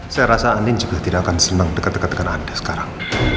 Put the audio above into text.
saya rasa andin juga tidak akan senang dekat dekat dengan anda sekarang